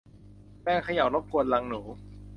แรงเขย่ารบกวนรังหนู